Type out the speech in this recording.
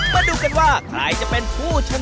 ตอนนี้ก็ได้เวลาชิมบัวลอยปริญญา